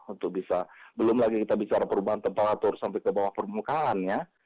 untuk bisa belum lagi kita bisa perubahan temperatur sampai ke bawah permukaannya